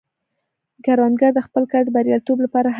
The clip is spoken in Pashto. کروندګر د خپل کار د بریالیتوب لپاره هڅه کوي